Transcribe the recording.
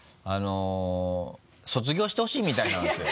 卒業してほしいみたいなんですよ。